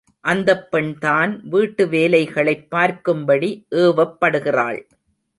அந்தப் பெண்தான் வீட்டு வேலைகளைப் பார்க்கும்படி ஏவப்படுகிறாள்.